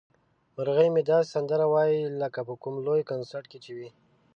مرغۍ مې داسې سندرې وايي لکه په کوم لوی کنسرت کې چې وي.